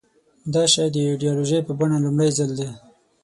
دا شی د ایدیالوژۍ په بڼه لومړي ځل ده.